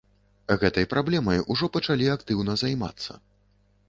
Гэтай праблемай ужо пачалі актыўна займацца.